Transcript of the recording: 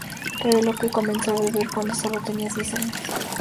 Reveló que comenzó a beber cuando solo tenía seis años.